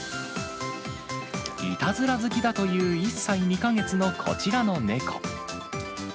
いたずら好きだという１歳２か月のこちらの猫。